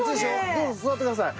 どうぞ座ってください。